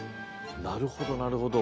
なるほどなるほど。